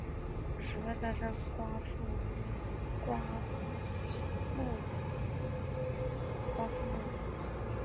十万大山瓜馥木